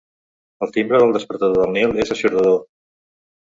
El timbre del despertador del Nil és eixordador.